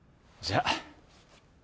じゃあ。